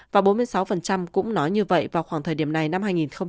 và bốn mươi sáu cũng nói như vậy vào khoảng thời điểm này năm hai nghìn một mươi tám